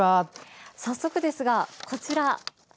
早速ですが、こちら。